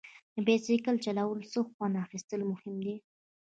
د بایسکل چلولو څخه خوند اخیستل مهم دي.